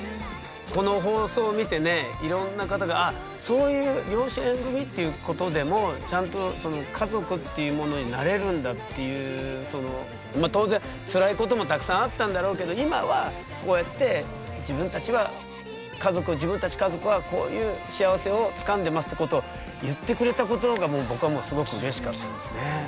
この放送を見てねいろんな方がそういう養子縁組っていうことでもちゃんと家族っていうものになれるんだっていうそのまあ当然つらいこともたくさんあったんだろうけど今はこうやって自分たちはってことを言ってくれたことが僕はもうすごくうれしかったですね。